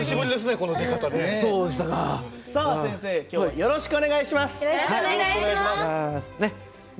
よろしくお願いします！